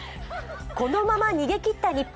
このまま逃げ切った日本。